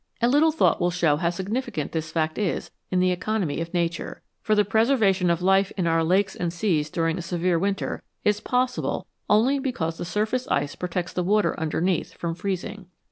A little thought will show how significant this fact is in the economy of Nature, for the preservation of life in our lakes and seas during a severe winter is possible only because the surface ice protects the water underneath from freezing.